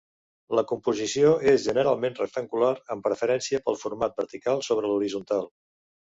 La composició és generalment rectangular amb preferència pel format vertical sobre l’horitzontal.